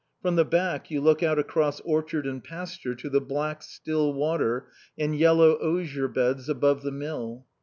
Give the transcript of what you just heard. From the back you look out across orchard and pasture to the black, still water and yellow osier beds above the Mill.